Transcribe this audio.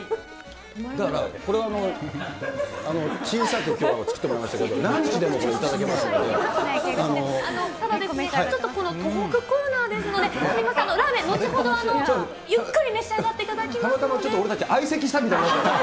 だから、これは小さく、きょうは作ってもらいましたけど、ただですね、ちょっとこのトークコーナーですので、すみません、ラーメン、後ほどゆっくり召し上がっていただきますので。